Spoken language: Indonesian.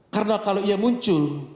karena kalau ia muncul